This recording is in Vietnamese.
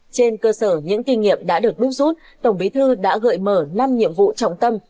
trên cơ sở những kinh nghiệm đã được đúc rút tổng bí thư đã gợi mở năm nhiệm vụ trọng tâm